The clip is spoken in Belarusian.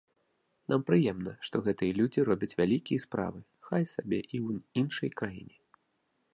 Нам прыемна, што гэтыя людзі робяць вялікія справы, хай сабе і ў іншай краіне.